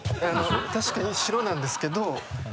確かに城なんですけど。